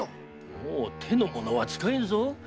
もう手の者は使えぬぞ。